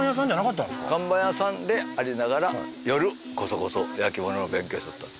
看板屋さんでありながら夜こそこそ焼き物を勉強しとったの。